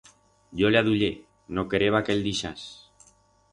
Yo le aduyé, no quereba que el dixás.